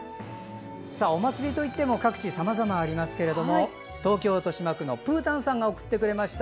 お祭りといっても各地さまざまありますけど東京・豊島区のぷーたんさんが送ってくれました。